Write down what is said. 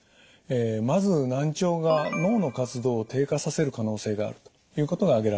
まず難聴が脳の活動を低下させる可能性があるということが挙げられます。